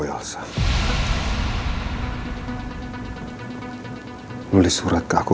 jangan lupa untuk aku